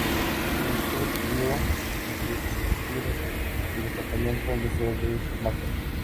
Su "chef-lieu", y prefectura del departamento, es la ciudad de Mâcon.